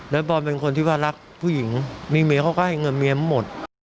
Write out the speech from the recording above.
แล้วบอมเป็นคนที่ว่ารักผู้หญิงมีเมียเขาก็ให้เงินเมียหมด